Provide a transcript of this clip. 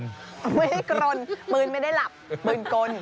ไม่ได้กรนปืนไม่ได้หลับปืนกลน